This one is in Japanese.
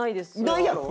ないやろ？